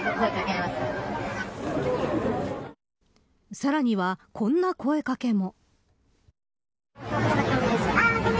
さらにはこんな声掛けも。